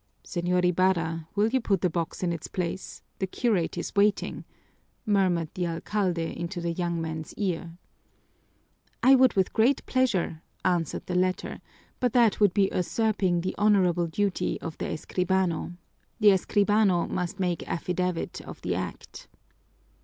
"Señor Ibarra, will you put the box in its place? The curate is waiting," murmured the alcalde into the young man's ear. "I would with great pleasure," answered the latter, "but that would be usurping the honorable duty of the escribano. The escribano must make affidavit of the act."